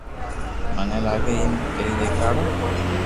مني لاگي اپي ڪري ديکاڙيو